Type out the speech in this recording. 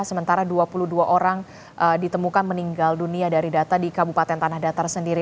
sementara dua puluh dua orang ditemukan meninggal dunia dari data di kabupaten tanah datar sendiri